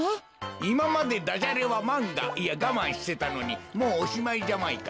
いままでダジャレはまんがいやがまんしてたのにもうおしまいジャマイカ。